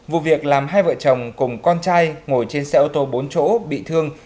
vụ việc làm hai vợ chồng cùng con trai ngồi trên xe ô tô bốn chỗ bị thương